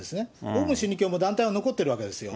オウム真理教も団体は残っているわけですよ。